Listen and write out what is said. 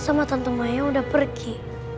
mama sama tante maya udah pergi